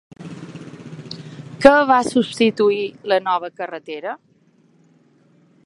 Què va substituir la nova carretera?